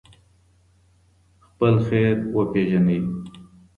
خپل خیر وپېژنئ.